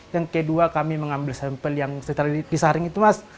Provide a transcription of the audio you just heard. yang kedua kami mengambil sampel yang setelah disaring itu mas